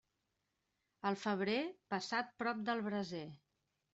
El febrer, passat prop del braser.